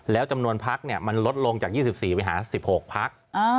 แล้วจำนวนพักมันลดลงจาก๒๔ไปหา๑๖พัก